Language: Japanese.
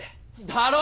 だろ？